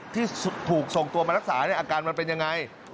ที่ถูกส่งตัวมารักษาอาการมันเป็นยังไง